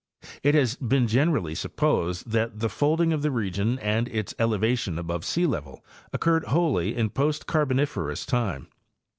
It has been generally supposed that the folding of the region and its elevation above sealevel occurred wholly in post Carboniferous time.